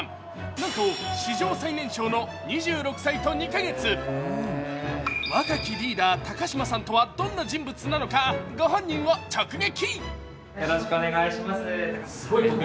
なんと、史上最年少の２６歳と２か月若きリーダー・高島さんとはどんな人物なのかご本人を直撃。